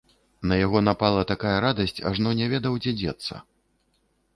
На яго напала такая радасць, ажно не ведаў, дзе дзецца.